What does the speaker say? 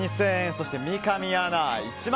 そして、三上アナ